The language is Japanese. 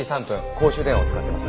公衆電話を使ってます。